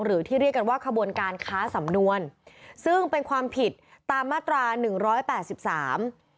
หรือที่เรียกกันว่าขบวนการค้าสำนวนซึ่งเป็นความผิดตามมาตราหนึ่งร้อยแปดสิบสาม